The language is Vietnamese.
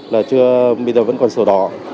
là chưa bây giờ vẫn còn sổ đỏ